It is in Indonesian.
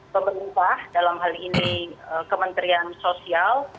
pemerintah dalam hal ini kementerian sosial